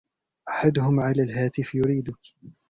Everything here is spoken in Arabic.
أحدهم على الهاتف يريدك.